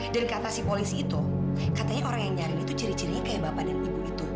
dan kata si polisi itu katanya orang yang nyariin itu ciri ciri kaya bapak dan ibu itu